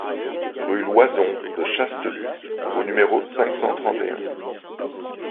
Rue Loyson de Chastelus au numéro cinq cent trente et un